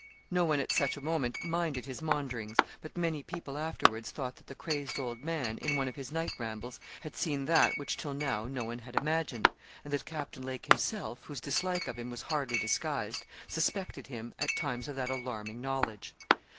No one at such a moment minded his maunderings: but many people afterwards thought that the crazed old man, in one of his night rambles, had seen that which, till now, no one had imagined; and that Captain Lake himself, whose dislike of him was hardly disguised, suspected him, at times of that alarming knowledge.